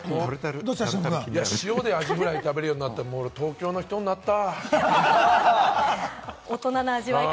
塩でアジフライ食べるようになったら俺、もう東京の人になった。